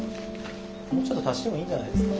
もうちょっと足してもいいんじゃないですか。